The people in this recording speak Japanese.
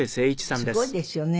すごいですよね。